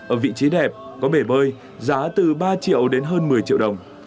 ở vị trí đẹp có bể bơi giá từ ba triệu đến hơn một mươi triệu đồng